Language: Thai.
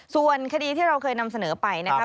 ส่วนคดีที่เราเคยนำเสนอไปนะครับ